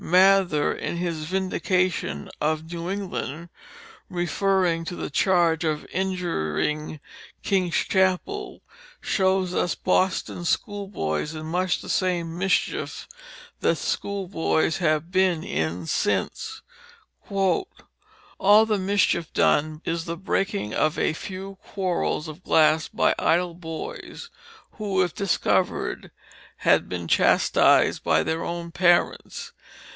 Mather, in his Vindication of New England, referring to the charge of injuring King's Chapel, shows us Boston schoolboys in much the same mischief that schoolboys have been in since: "All the mischief done is the breaking of a few Quarels of Glass by idle Boys, who if discover'd had been chastis'd by their own Parents.